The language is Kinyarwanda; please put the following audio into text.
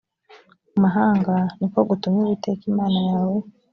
mahanga ni ko gutumye uwiteka imana yawe